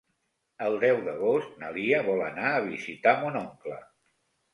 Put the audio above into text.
El deu d'agost na Lia vol anar a visitar mon oncle.